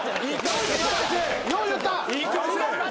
よう言った。